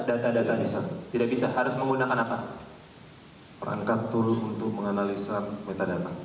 data data di sana tidak bisa harus menggunakan apa perangkat turun untuk menganalisa metadata